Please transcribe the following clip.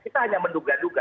kita hanya menduga duga